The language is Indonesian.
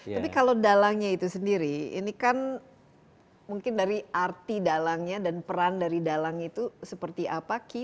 tapi kalau dalangnya itu sendiri ini kan mungkin dari arti dalangnya dan peran dari dalang itu seperti apa ki